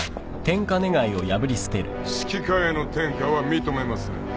指揮科への転科は認めません。